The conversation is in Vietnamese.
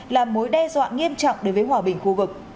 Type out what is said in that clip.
là mối đe dọa nghiêm trọng đối với hòa bình khu vực